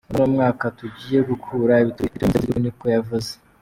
"Uno ni umwaka tugiye gukura ibiturire mu nzego z'igihugu," niko yavuze.